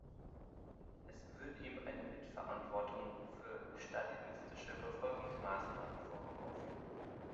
Es wird ihm eine Mitverantwortung für stalinistische Verfolgungsmaßnahmen vorgeworfen.